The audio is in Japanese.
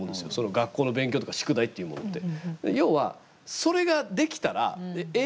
学校の勉強とか宿題っていうものって。